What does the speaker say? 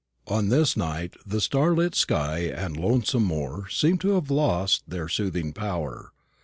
On this night the starlit sky and lonesome moor seemed to have lost their soothing power.